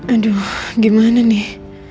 aduh gimana nih